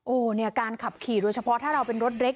โอ้โหเนี่ยการขับขี่โดยเฉพาะถ้าเราเป็นรถเล็ก